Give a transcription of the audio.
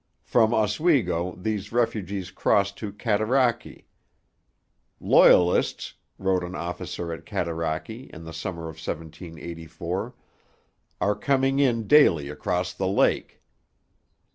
From Oswego these refugees crossed to Cataraqui. 'Loyalists,' wrote an officer at Cataraqui in the summer of 1784, 'are coming in daily across the lake.'